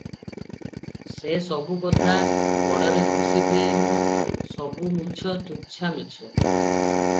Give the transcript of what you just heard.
ସେ ସବୁ କଥା ଗୋଡ଼ରେ ଘଷି ଦେ ମ, ସବୁ ମିଛ, ତୁଚ୍ଛା ମିଛ ।